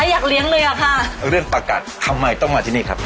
อยากเลี้ยงเลยอ่ะค่ะเรื่องประกัดทำไมต้องมาที่นี่ครับ